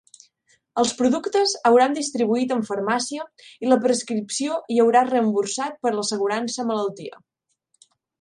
Els productes hauran distribuït en farmàcia i la prescripció hi haurà reemborsat per l'assegurança malaltia.